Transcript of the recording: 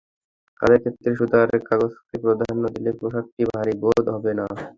কাজের ক্ষেত্রে সুতার কাজকে প্রাধান্য দিলে পোশাকটি ভারী বোধ হবে না।